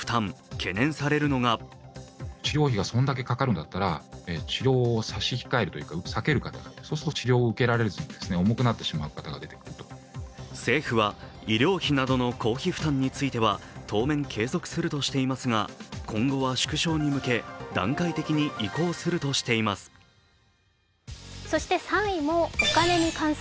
懸念されるのが政府は医療費などの公費負担については当面継続するとしていますが今後は縮小に向け段階的に移行するとしています。